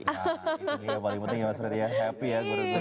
nah itu yang paling penting ya mas freddy ya happy ya guru guru